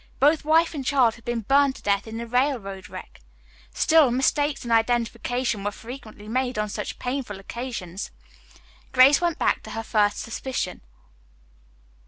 Both wife and child had been burned to death in the railroad wreck. Still, mistakes in identification were frequently made on such painful occasions. Grace went back to her first supposition.